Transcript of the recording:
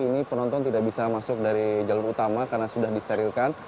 ini penonton tidak bisa masuk dari jalur utama karena sudah disterilkan